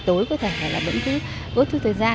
tối có thể là vẫn cứ bất chốt thời gian